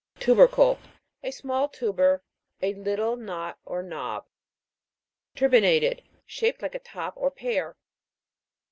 TU'BERCLE. A small tuber; a little knot or nob. TUR'BINATED. Shaped like a top or pear.